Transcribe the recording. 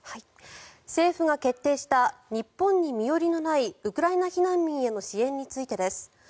政府が決定した日本に身寄りのないウクライナ避難民への支援についてです。